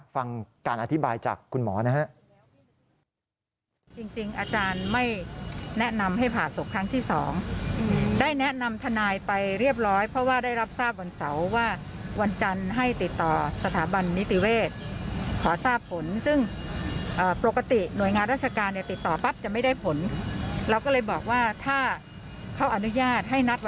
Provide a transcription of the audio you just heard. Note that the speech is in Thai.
ฟังการอธิบายจากคุณหมอนะฮะ